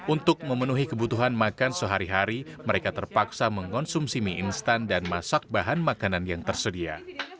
untuk memenuhi kebutuhan makan sehari hari mereka terpaksa mengonsumsi mie instan dan masak bahan makanan yang tersedia